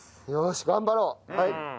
よし頑張ろう！